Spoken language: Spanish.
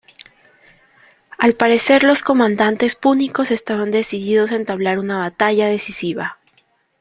Al parecer, los comandantes púnicos estaban decididos a entablar una batalla decisiva.